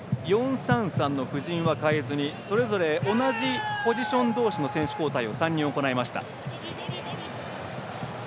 ４−３−３の布陣は変えずそれぞれ、同じポジションの交代を３人行いました。